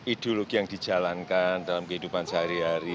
ideologi yang dijalankan dalam kehidupan sehari hari